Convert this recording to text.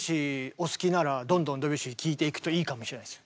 お好きならどんどんドビュッシー聴いていくといいかもしれないですよ。